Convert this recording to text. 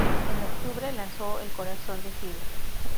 En octubre, lanzó "El Corazón Decide".